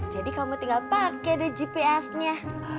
jadi kamu tinggal pake deh gpsnya